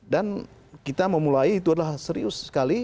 dan kita memulai itu adalah serius sekali